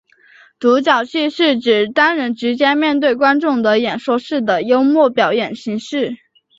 独角戏是指单人直接面对观众的演说式的幽默表演形式。